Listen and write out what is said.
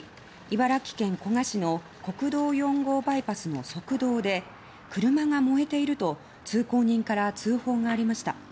茨城県古河市の国道４号バイパスの側道で車が燃えていると通行人から通報がありました。